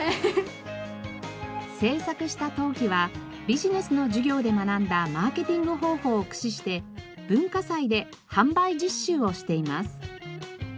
制作した陶器はビジネスの授業で学んだマーケティング方法を駆使して文化祭で販売実習をしています。